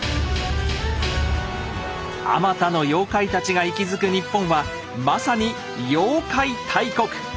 あまたの妖怪たちが息づくニッポンはまさに妖怪大国！